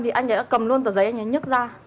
thì anh ấy đã cầm luôn tờ giấy anh ấy nhức ra